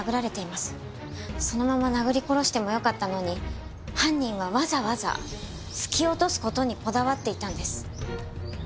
そのまま殴り殺してもよかったのに犯人はわざわざ突き落とす事にこだわっていたんです。